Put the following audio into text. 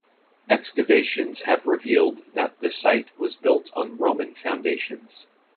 Excavations have revealed that the site was built on Roman foundations.